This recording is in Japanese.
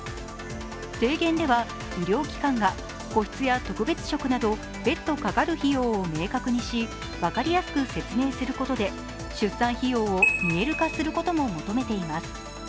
提言では、医療機関が個室や特別食など別途かかる費用を明確にし分かりやすく説明することで出産費用を見える化することも求めています。